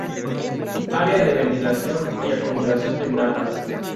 Área de ventilación y acumulación de natas.